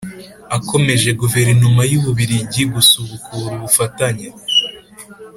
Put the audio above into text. akomeje guverinoma y'u bubiligi gusubukura ubufatanye